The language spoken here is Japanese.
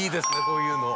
こういうの。